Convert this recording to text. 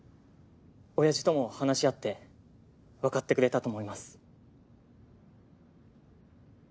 親父とも話し合って分かってくれたと思います。